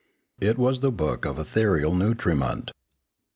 It was the book of Ethe real Nutriment.